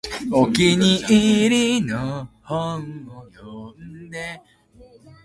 遅れないように早く準備しなさい